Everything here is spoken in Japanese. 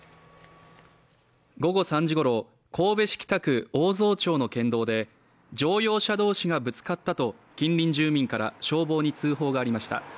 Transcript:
午後３時ごろ神戸市北区大沢町の県道で乗用車同士がぶつかったと近隣住民から消防に通報がありました。